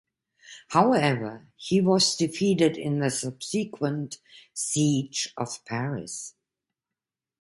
However, he was defeated in the subsequent siege of Paris.